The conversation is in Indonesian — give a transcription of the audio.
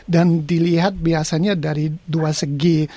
dan dilihat biasanya dari dua segi